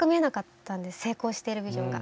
成功しているビジョンが。